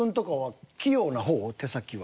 手先は。